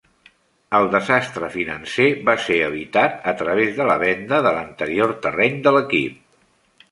El desastre financer va ser evitat a través de la venda de l'anterior terreny de l'equip.